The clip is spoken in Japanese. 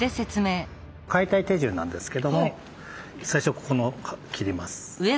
解体手順なんですけども最初ここの切ります。